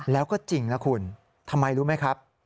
แล้วก็จริงนะคุณทำไมรู้ไหมครับ